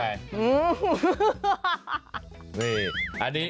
อย่างไร